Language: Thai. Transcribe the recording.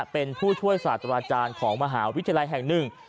เป็นผู้ช่วยศาสตราจารย์ของมหาวิทยาลัยแห่งหนึ่ง